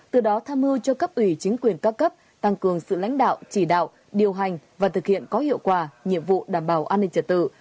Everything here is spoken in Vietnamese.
từ đó tham mưu cho cấp ủy chính quyền các cấp tăng cường sự lãnh đạo chỉ đạo điều hành và thực hiện có hiệu quả nhiệm vụ đảm bảo an ninh trật tự